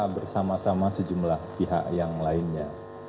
bersama sama sejumlah pihak yang lainnya